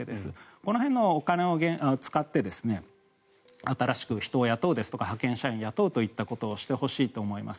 この辺のお金を使って新しく人を雇うですとか派遣社員を雇うといったことをしてほしいと思います。